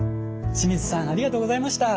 清水さんありがとうございました。